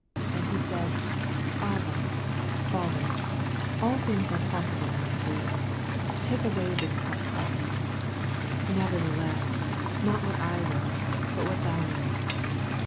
36 And he said, Abba, Father, all things are possible unto thee : take away this cup from me : nevertheless not what I will, but what thou wilt.